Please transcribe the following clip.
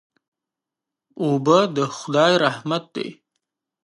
اوبه د خدای رحمت دی.